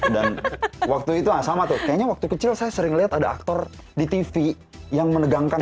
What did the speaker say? dan waktu itu sama tuh kayaknya waktu kecil saya sering lihat ada aktor di tv yang menegangkan